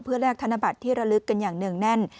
แลกธนบัตรที่ระลึกกันอย่างเนื่องแน่น